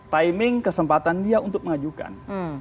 timing kesempatan dia untuk mengajukan